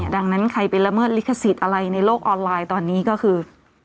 ดังนั้นใครไปละเมิดลิขสิทธิ์อะไรในโลกออนไลน์ตอนนี้ก็คือ